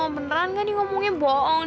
beneran gak nih ngomongnya bohong